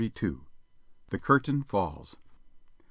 The curtain falls.